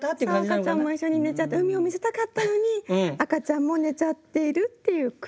そう赤ちゃんも一緒に寝ちゃって海を見せたかったのに赤ちゃんも寝ちゃっているっていう句です。